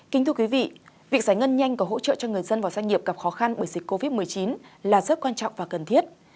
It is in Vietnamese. kính thưa quý vị việc giải ngân nhanh có hỗ trợ cho người dân và doanh nghiệp gặp khó khăn bởi dịch covid một mươi chín là rất quan trọng và cần thiết